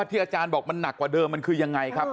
ที่อาจารย์บอกมันหนักกว่าเดิมมันคือยังไงครับ